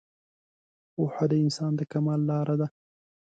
پوهه د انسان د کمال لاره ده